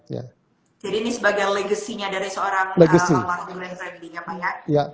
jadi ini sebagai legasinya dari seorang almarhum glenn trembling ya pak ya